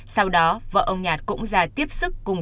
sau đó vợ ông nhạt cũng ra tiếp sức cùng